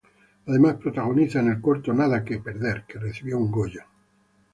Además protagoniza en el corto "Nada que perder" que recibió un Goya.